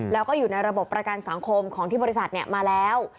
แล้วก็อยู่ในระบบประกันสังคมของที่บริษัทมาแล้ว